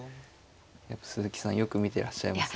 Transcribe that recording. やっぱ鈴木さんよく見てらっしゃいますね。